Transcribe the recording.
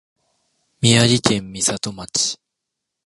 宮城県美里町